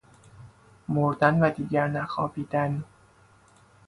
مردن و دیگر نخوابیدن!